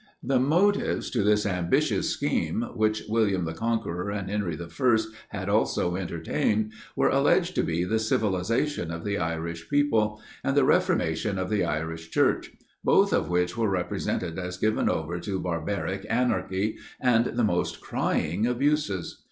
The motives to this ambitious scheme, which William the Conqueror, and Henry I., had also entertained, were alleged to be the civilisation of the Irish people, and the reformation of the Irish Church; both of which were represented as given over to barbaric anarchy, and the most crying abuses.